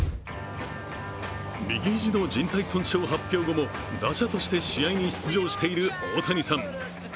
右肘のじん帯損傷発表後も打者として試合に出場している大谷さん。